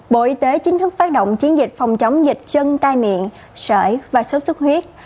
bộ y tế chính thức phát động chiến dịch phòng chống dịch chân tai miệng sợi và sốt sức huyết